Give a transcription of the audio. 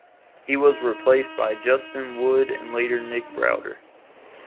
He was replaced by Juston Wood and later Nick Browder.